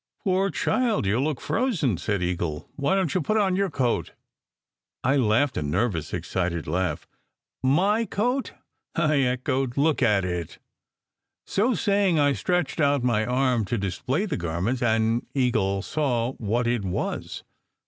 " Poor child, you look frozen !" said Eagle. " Why didn t you put on your coat? " I laughed a nervous, excited laugh. "My coat!" I echoed. "Look at it!" So saying, I stretched out my arm to display the garment, and Eagle saw what it was.